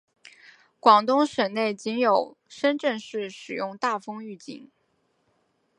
广东省内仅有深圳市使用大风预警。